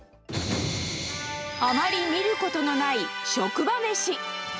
あまり見ることのない職場めし。